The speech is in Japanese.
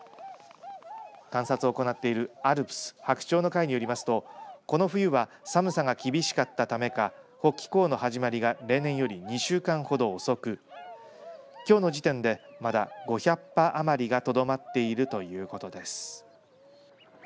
観察を行っているアルプス白鳥の会によりますとこの冬は寒さが厳しかったためか北帰行の始まりが例年より２週間ほど遅くきょうの時点でまだ５００羽余りがとどまっているということです。